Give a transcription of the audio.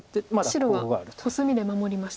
白はコスミで守りました。